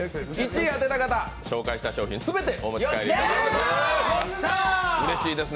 １位当てたから、紹介した商品全てお持ち帰りいただけます。